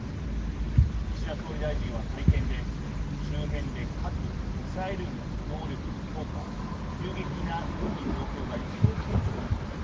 岸田総理大臣は会見で「周辺で核・ミサイル能力の強化急激な軍備増強が一層顕著になっている。